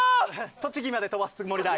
栃木まで飛ばすつもりだ。